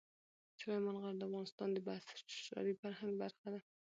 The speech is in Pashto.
سلیمان غر د افغانستان د بشري فرهنګ برخه ده.